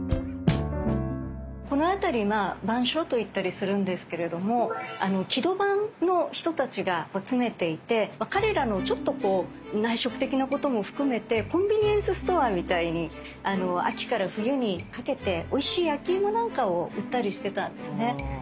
この辺り「番所」と言ったりするんですけれども「木戸番」の人たちが詰めていて彼らのちょっとこう内職的なことも含めてコンビニエンスストアみたいに秋から冬にかけておいしい焼き芋なんかを売ったりしてたんですね。